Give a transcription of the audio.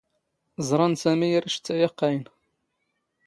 ⵥⵕⴰⵏ ⵙⴰⵎⵉ ⴰⵔ ⵉⵛⵜⵜⴰ ⴰⵇⵇⴰⵢⵏ.